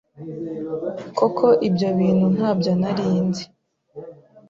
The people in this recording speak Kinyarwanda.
koko ibyo bintu ntabyo nari nzi